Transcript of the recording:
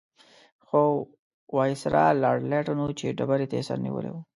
خو وایسرا لارډ لیټن وچې ډبرې ته سر نیولی وو.